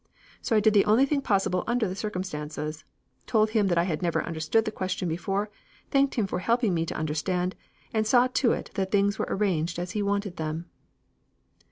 So I did the only thing possible under the circumstance, told him I had never understood the question before, thanked him for helping me to understand, and saw to it that things were arranged as he wanted them."